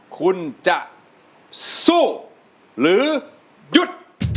คุณจะสู้หรือหยุด